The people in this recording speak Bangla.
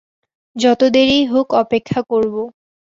যত দেরিই হোক অপেক্ষা করব।